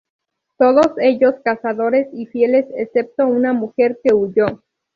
Todos ellos cazadores y fieles, excepto una mujer que huyó.